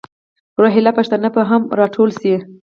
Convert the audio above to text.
روهیله پښتانه به هم را ټول شي.